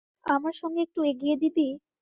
আমার সঙ্গে একটু এগিয়ে দিবি?